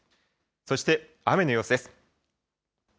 そして雨の様子です。